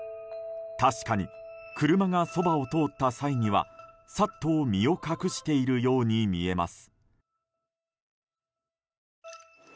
確かに、車がそばを通った際にはさっと身を隠しているように見えます。